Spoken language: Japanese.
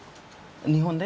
日本で？